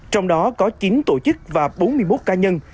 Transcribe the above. trong đó có chín tổ chức và bốn mươi một cá nhân